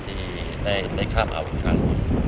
ที่ได้ข้ามเอาอีกครั้ง